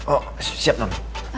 oh siap non